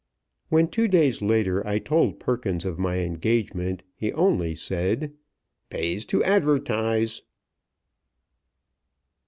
When, two days later, I told Perkins of my engagement, he only said: "Pays to advertise."